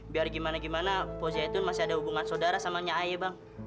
biar gimana gimana pak zaitun masih ada hubungan saudara sama ayah bang